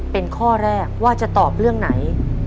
เป็นข้อแรกว่าจะตอบเรื่องไหน